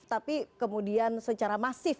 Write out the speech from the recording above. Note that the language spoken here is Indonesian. tapi kemudian secara masif